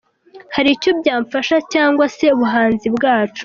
Hari icyo byamfasa cyangwa se ubuhanzi bwacu.”